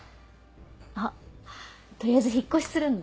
あっ取りあえず引っ越しするんだ。